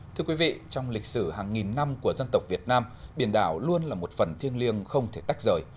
thưa quý vị trong lịch sử hàng nghìn năm của dân tộc việt nam biển đảo luôn là một phần thiêng liêng không thể tách rời